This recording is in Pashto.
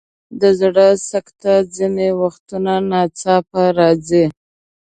د زړه سکته ځینې وختونه ناڅاپه راځي.